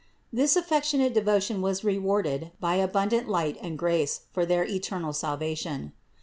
This affec tionate devotion was rewarded by abundant light and grace for their eternal salvation.